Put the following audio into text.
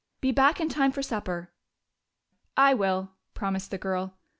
"Be back in time for supper." "I will," promised the girl.